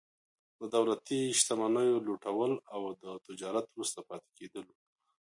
د دولتي شتمنیو لوټول او د تجارت وروسته پاتې کېدل وو.